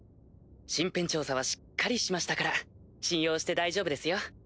身辺調査はしっかりしましたから信用して大丈夫ですよ。